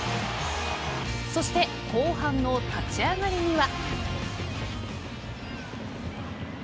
そして、後半の立ち上がりには。